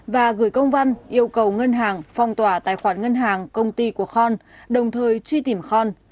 và gửi công văn yêu cầu ngân hàng phong tỏa tài khoản ngân hàng công ty của khon đồng thời truy tìm con